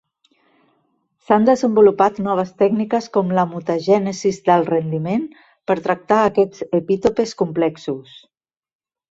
S"han desenvolupat noves tècniques com la mutagènesis d"alt rendiment per tractar aquests epitopes complexos.